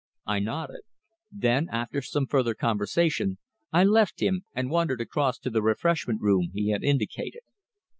I nodded. Then, after some further conversation, I left him and wandered across to the refreshment room he had indicated.